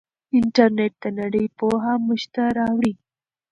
انټرنیټ د نړۍ پوهه موږ ته راوړي.